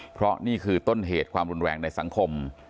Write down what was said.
เพราะนี่คือต้นเหตุความรุนแรงในสังคม